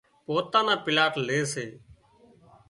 پوتان نا پلاٽ لي سي